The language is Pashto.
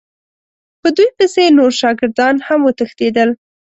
په دوی پسې نور شاګردان هم وتښتېدل.